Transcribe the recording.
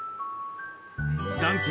男性